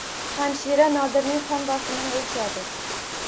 Hamshira Nodirning qon bosimini o‘lchadi.